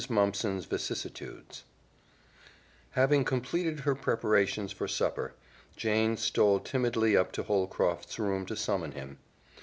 Mumpson's Vicissitudes Having completed her preparations for supper, Jane stole timidly up to Holcroft's room to summon him.